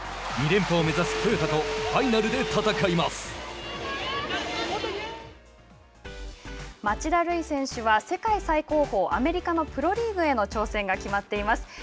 ２連覇を目指すトヨタと町田瑠唯選手は世界最高峰アメリカのプロリーグへの挑戦が決まっています。